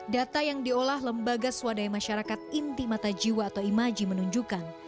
data yang diolah lembaga swadaya masyarakat inti mata jiwa atau imaji menunjukkan